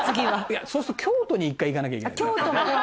いやそうすると京都に一回行かなきゃいけないやっぱりね。